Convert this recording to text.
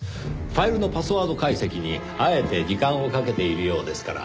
ファイルのパスワード解析にあえて時間をかけているようですから。